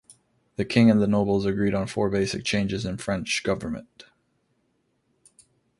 The king and the notables agreed on four basic changes in French government.